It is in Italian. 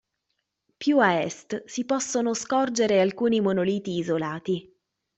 Più a est, si possono scorgere alcuni monoliti isolati.